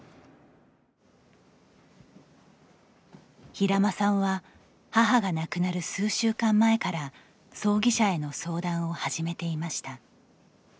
平間さんは母が亡くなる数週間前から葬儀社への相談を始めていました。